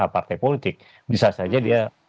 partai politik bisa saja dia